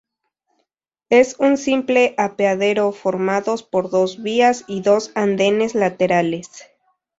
Es un simple apeadero formados por dos vías y dos andenes laterales.